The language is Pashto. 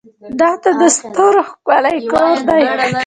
دښته د ستورو ښکلی کور دی.